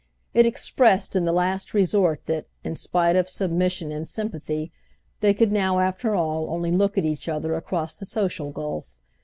It expressed in the last resort that, in spite of submission and sympathy, they could now after all only look at each other across the social gulf.